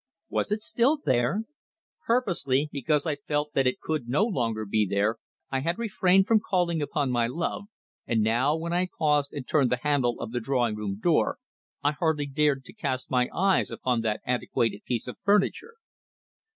Was it still there? Purposely, because I felt that it could no longer be there, I had refrained from calling upon my love, and now, when I paused and turned the handle of the drawing room door, I hardly dared to cast my eyes upon that antiquated piece of furniture.